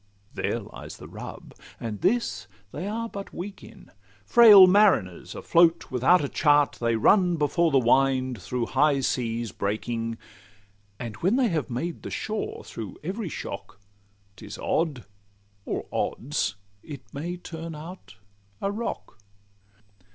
There lies the rub—and this they are but weak in. Frail mariners afloat without a chart, They run before the wind through high seas breaking; And when they have made the shore through every shock, 'Tis odd, or odds, it may turn out a rock.